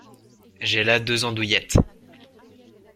J’ai là deux andouillettes…